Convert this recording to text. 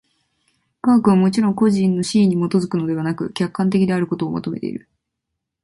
科学はもちろん個人の肆意に基づくのでなく、客観的であることを求めている。